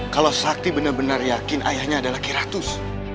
kalau sakti benar benar yakin ayahnya adalah kiratus